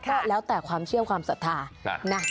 ก็แล้วแต่ความเชื่อความศรัทธานะ